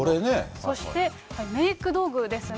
そしてメーク道具ですね。